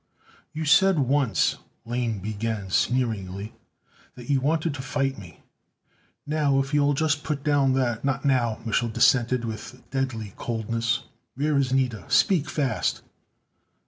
"You said once," Lane began sneeringly, "that you wanted to fight me. Now, if you'll just put down that " "Not now," Mich'l dissented with deadly coldness. "Where is Nida? Speak fast."